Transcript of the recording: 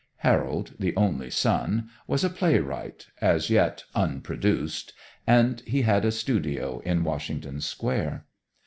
Harold, the only son, was a playwright as yet "unproduced" and he had a studio in Washington Square.